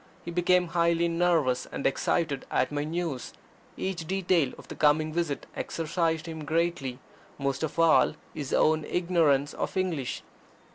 He became highly nervous and excited at my news. Each detail of the coming visit exercised him greatly most of all his own ignorance of English.